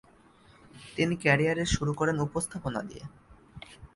তিনি ক্যারিয়ারের শুরু করেন উপস্থাপনা দিয়ে।